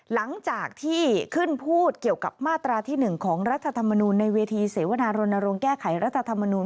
หลังจากที่ขึ้นพูดเกี่ยวกับมาตราที่๑ของรัฐธรรมนูลในเวทีเสวนารณรงค์แก้ไขรัฐธรรมนูล